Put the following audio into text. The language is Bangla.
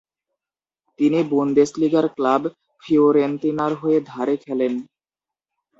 তিনি বুন্দেসলিগার ক্লাব ফিওরেন্তিনার হয়ে ধারে খেলেন।